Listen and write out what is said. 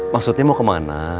maksudnya mau kemana